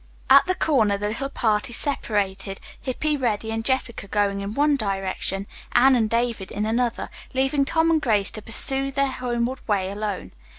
At the corner the little party separated, Hippy, Reddy and Jessica going in one direction, Anne and David in another, leaving Tom and Grace to pursue their homeward way alone.